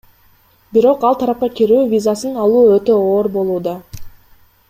Бирок ал тарапка кирүү визасын алуу өтө оор болууда.